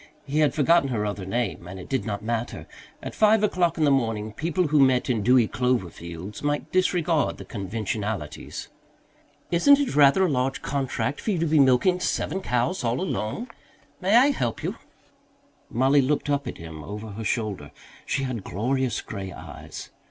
He had forgotten her other name, and it did not matter; at five o'clock in the morning people who met in dewy clover fields might disregard the conventionalities. "Isn't it rather a large contract for you to be milking seven cows all alone? May I help you?" Mollie looked up at him over her shoulder. She had glorious grey eyes.